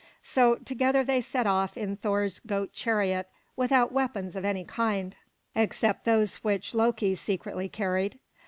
So together they set off in Thor's goat chariot, without weapons of any kind except those which Loki secretly carried.